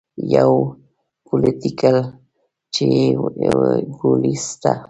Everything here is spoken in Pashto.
يو پوليټيکل چې يې بولي سته.